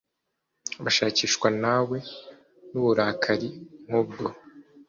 bashakishwa nawe nuburakari nkubwo